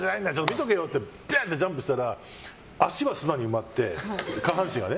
見とけよってジャンプしたら足が砂に埋まって下半身が。